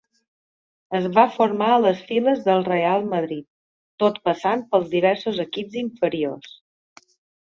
Es va formar a les files del Reial Madrid, tot passant pels diversos equips inferiors.